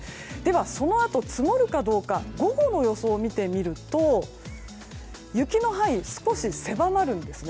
そのあと積もるかどうか午後の予想を見てみると雪の範囲、少し狭まるんですね。